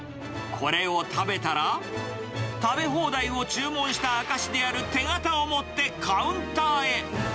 これを食べたら、食べ放題を注文した証しである手形を持って、カウンターへ。